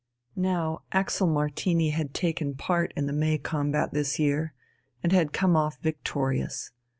Now Axel Martini had taken part in the "May combat" this year, and had come off victorious.